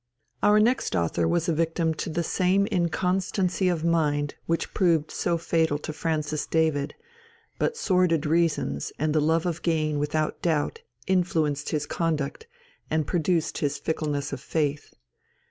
Our next author was a victim to the same inconstancy of mind which proved so fatal to Francis David, but sordid reasons and the love of gain without doubt influenced his conduct and produced his fickleness of faith.